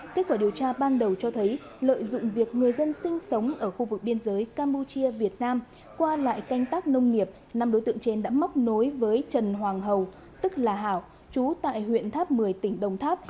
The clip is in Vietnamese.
kết quả điều tra ban đầu cho thấy lợi dụng việc người dân sinh sống ở khu vực biên giới campuchia việt nam qua lại canh tác nông nghiệp năm đối tượng trên đã móc nối với trần hoàng hậu tức là hảo chú tại huyện tháp một mươi tỉnh đồng tháp